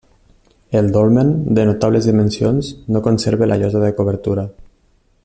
El dolmen, de notables dimensions, no conserva la llosa de cobertura.